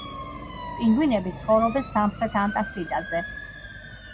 პინგვინები ცხოვრობენ სამხრეთ ანტარქტიდაზე